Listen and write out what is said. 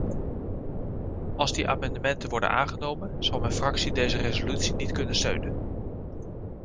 Als die amendementen worden aangenomen, zal mijn fractie deze resolutie niet kunnen steunen.